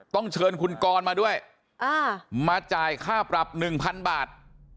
ต้องเชิญคุณกรมาด้วยมาจ่ายค่าปรับ๑๐๐บาท